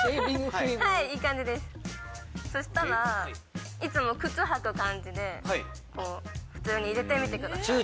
はいいい感じですそしたらいつも靴履く感じではいこう普通に入れてみてください